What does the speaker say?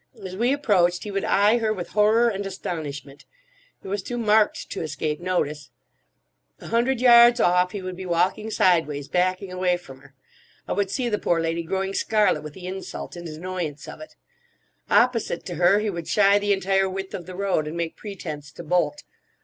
As we approached he would eye her with horror and astonishment. It was too marked to escape notice. A hundred yards off he would be walking sideways, backing away from her; I would see the poor lady growing scarlet with the insult and annoyance of it. Opposite to her, he would shy the entire width of the road, and make pretence to bolt.